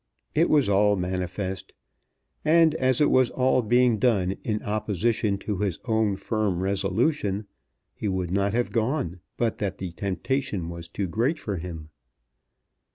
It was all manifest. And as it was all being done in opposition to his own firm resolution, he would not have gone, but that the temptation was too great for him.